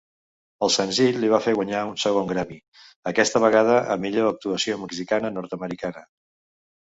El senzill li va fer guanyar un segon Grammy, aquesta vegada a Millor actuació mexicana-nord-americana.